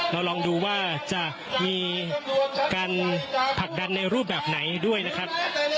เราลองดูว่าจะมีการผลักดันในรูปแบบไหนด้วยนะครับ